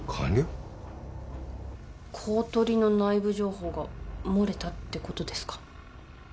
公取の内部情報が漏れたってことですか。